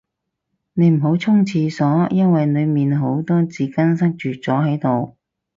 你唔好衝廁住，因為裏面有好多紙巾塞住咗喺度